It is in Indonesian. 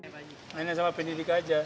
saya nggak kenal sama pendidik aja